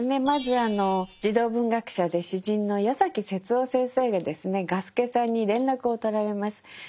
まずあの児童文学者で詩人の矢崎節夫先生がですね雅輔さんに連絡を取られます。